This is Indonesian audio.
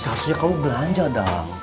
seharusnya kamu belanja dang